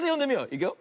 いくよ。